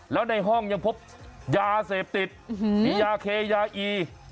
แล้วในห้องยังพบยาเสพติดมียาเคยาอี